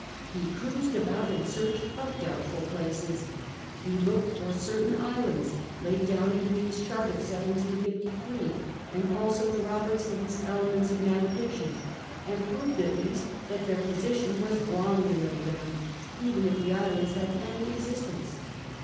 He cruised about in search of doubtful places. Ho looked for certain islands laid down in Cfreen's chart of 1753, and also in Robertson's Elements of Navigation, and proved at least V CAPTATN CARTERET 63 that thoir position was wrongly laid down, oven if the islands had ji ny existence.